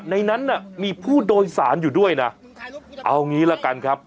ในนั้นน่ะมีผู้โดยสารอยู่ด้วยนะเอางี้ละกันครับ